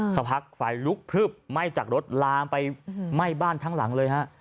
สำหรับความฝ่ายลุกพลึบไหม้จากรถล้างไปไหม้บ้านทั้งหลังเลย